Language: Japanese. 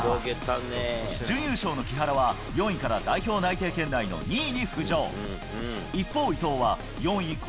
準優勝の木原は、４位から代表内定圏内の２位に浮上。